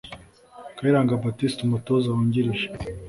Kayiranga Baptiste (umutoza wungirije)